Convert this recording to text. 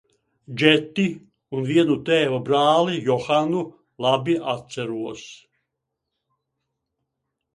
Jetti un vienu tēva brāli Johanu labi atceros.